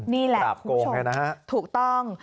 นี่แหละคุณผู้ชมถูกต้อง